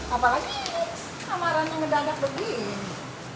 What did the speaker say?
apalagi lamarannya ngedanak begini